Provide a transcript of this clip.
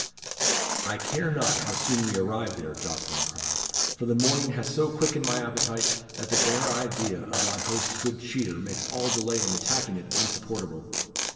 "I care not how soon we arrive there," Jocelyn cried; "for the morning has so quickened my appetite, that the bare idea of thy host's good cheer makes all delay in attacking it unsupportable."